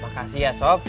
makasih ya sob